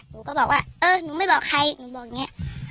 หนูก็บอกว่าเออหนูไม่บอกใครหนูบอกอย่างนี้